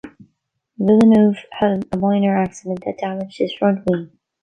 Villeneuve had a minor accident that damaged his front wing.